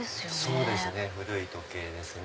そうですね古い時計ですね